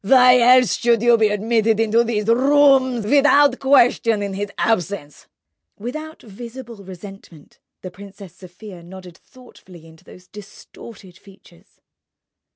"Why else should you be admitted to these rooms without question in his absence?" Without visible resentment, the Princess Sofia nodded thoughtfully into those distorted features.